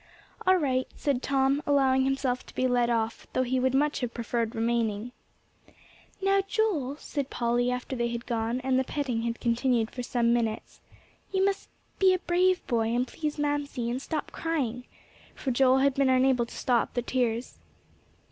"All right," said Tom, allowing himself to be led off, though he would much have preferred remaining. "Now, Joel," said Polly, after they had gone, and the petting had continued for some minutes, "you must just be a brave boy, and please Mamsie, and stop crying," for Joel had been unable to stop the tears.